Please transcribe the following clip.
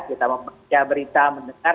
kita membaca berita mendengar